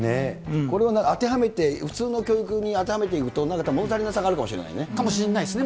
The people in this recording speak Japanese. これを当てはめて、普通の教育に当てはめていくと、もの足りなさがあるかもしれないですね。